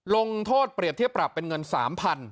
ลงโทษเปรียบเทียบปรับเป็นเงิน๓๐๐บาท